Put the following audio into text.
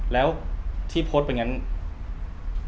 แล้วที่โพสต์เป็นอย่างนั้น